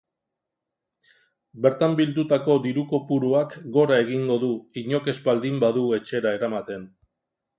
Bertan bildutako diru-kopuruak gora egingo du, inork ez baldin badu etxera eramaten.